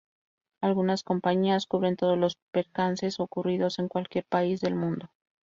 Algunas compañías cubren todos los percances ocurridos en cualquier país del mundo.